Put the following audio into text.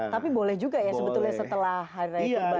tapi boleh juga ya sebetulnya setelah hari raya tiba tiba